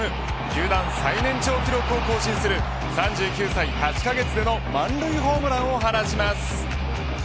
球団最年長記録を更新する３９歳８カ月での満塁ホームランを放ちます。